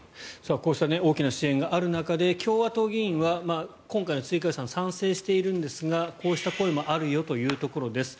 こうした大きな支援がある中で共和党議員は今回の追加予算賛成しているんですがこうした声もあるよというところです。